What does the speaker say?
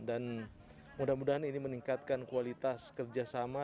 dan mudah mudahan ini meningkatkan kualitas kerjasama